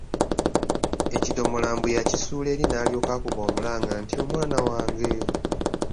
Ekidomola mbu yakisuula eri n’alyoka akuba omulanga nti, “Omwana wange!''